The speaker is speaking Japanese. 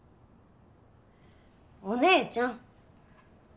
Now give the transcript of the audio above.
お姉ちゃん！